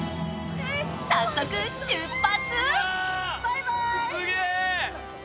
早速、出発。